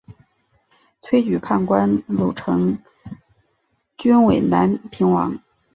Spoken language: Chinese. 推举判官卢成均为南平王。